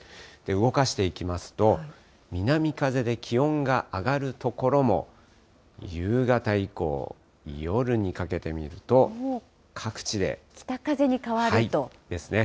動かしていきますと、南風で気温が上がる所も、夕方以降、夜にかけて見ると、各地で。ですね。